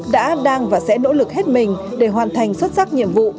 đã đang và sẽ nỗ lực hết mình để hoàn thành xuất sắc nhiệm vụ